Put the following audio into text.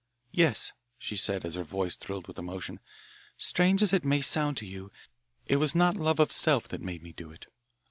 "Yes," she said as her voice thrilled with emotion, "strange as it may sound to you, it was not love of self that made me do it.